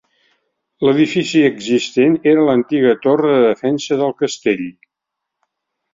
L'edifici existent era l'antiga torre de defensa del castell.